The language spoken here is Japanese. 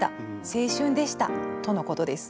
青春でした」とのことです。